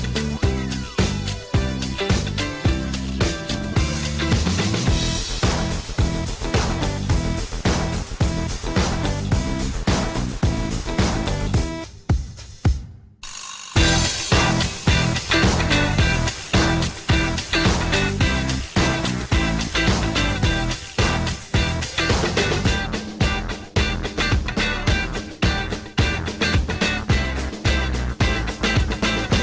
โปรดติดตามตอนต่อไป